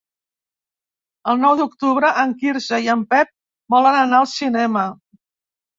El nou d'octubre en Quirze i en Pep volen anar al cinema.